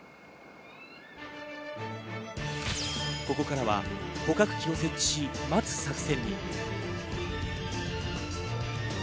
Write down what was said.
ここからは捕獲器を設置し、待つ作戦に。